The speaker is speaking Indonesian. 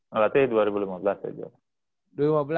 ngelatih dua ribu lima belas ya juara